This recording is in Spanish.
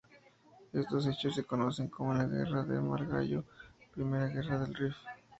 Estos hechos se conocen como la Guerra de Margallo o "Primera Guerra del Rif".